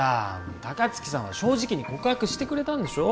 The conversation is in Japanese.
高槻さんは正直に告白してくれたんでしょ？